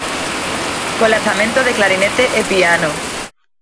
Co lanzamento de "Clarinete e piano".